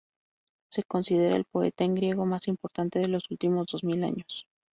Se considera el poeta en griego más importante de los últimos dos mil años.